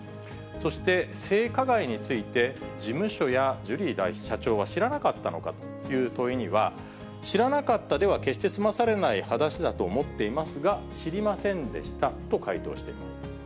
そして性加害について、事務所やジュリー社長は知らなかったのかという問いには、知らなかったでは決して済まされない話だと思っていますが、知りませんでしたと回答しています。